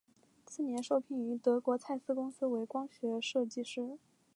次年受聘于德国蔡司公司为光学设计师。